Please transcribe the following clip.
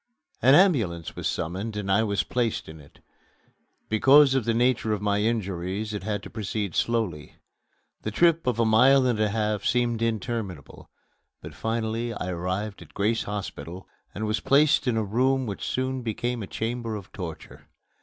An ambulance was summoned and I was placed in it. Because of the nature of my injuries it had to proceed slowly. The trip of a mile and a half seemed interminable, but finally I arrived at Grace Hospital and was placed in a room which soon became a chamber of torture.